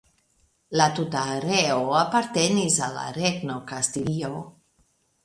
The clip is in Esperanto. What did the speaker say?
La tuta areo apartenis al la Regno Kastilio.